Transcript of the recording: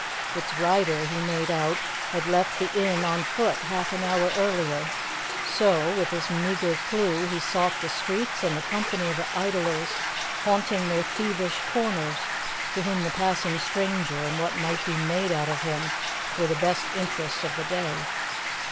Its rider, he made out, had left the inn on foot half an hour earlier, so, with this meagre clue, he sought the streets and the company of the idlers haunting their thievish corners, to whom the passing stranger and what might be made out of him were the best interests of the day.